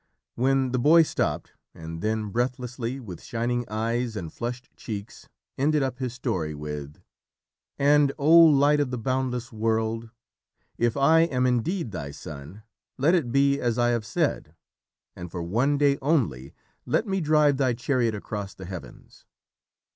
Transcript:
When the boy stopped, and then breathlessly, with shining eyes and flushed cheeks, ended up his story with: "And, O light of the boundless world, if I am indeed thy son, let it be as I have said, and for one day only let me drive thy chariot across the heavens!"